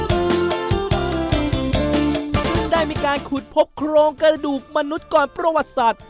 ซึ่งได้มีการขุดพบโครงกระดูกมนุษย์ก่อนประวัติศาสตร์